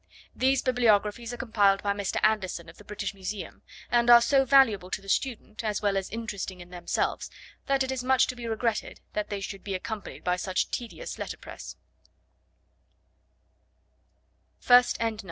These bibliographies are compiled by Mr. Anderson, of the British Museum, and are so valuable to the student, as well as interesting in themselves, that it is much to be regretted that they should be accompanied by such tedious letterpress.